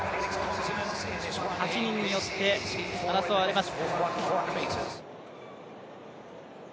８人によって争われます。